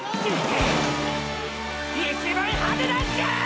一番派手なんじゃい！！